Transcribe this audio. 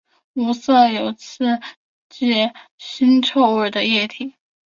无色有刺激腥臭味的液体。